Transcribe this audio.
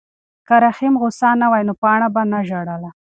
که رحیم غوسه نه وای نو پاڼه به نه ژړله.